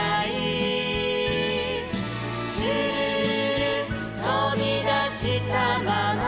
「シュルルルとびだしたまま」